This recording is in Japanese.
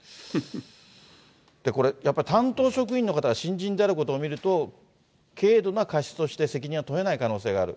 これ、やっぱり担当職員の方、新人であることを見ると、軽度な過失として責任は問えない可能性がある。